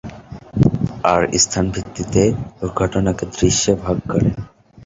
আর স্থান ভিত্তিতে ঘটনাকে দৃশ্যে ভাগ করেন।